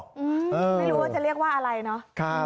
ไม่รู้ว่าจะเรียกว่าอะไรเนาะ